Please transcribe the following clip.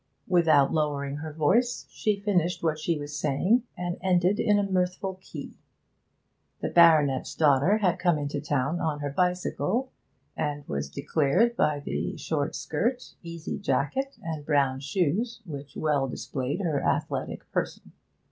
Without lowering her voice she finished what she was saying, and ended in a mirthful key. The baronet's daughter had come into town on her bicycle, as was declared by the short skirt, easy jacket, and brown shoes, which well displayed her athletic person.